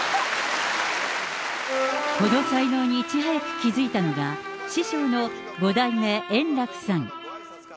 この才能にいち早く気付いたのが、師匠の五代目圓楽さん。